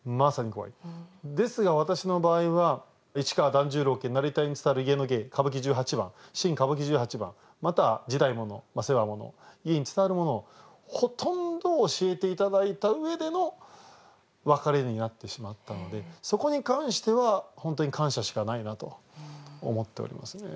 ですが私の場合は市川團十郎家成田屋に伝わる家の芸歌舞伎十八番新歌舞伎十八番また時代物世話物家に伝わるものをほとんど教えて頂いた上での別れになってしまったのでそこに関しては本当に感謝しかないなと思っておりますね。